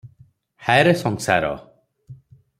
ହାୟରେ ସଂସାର ।